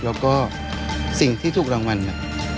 แล้วก็สิ่งที่ถูกรางวัลเนี่ย